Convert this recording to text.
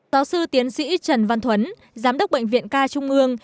giáo sư tiến sĩ trần văn thuấn giám đốc bệnh viện ca trung ương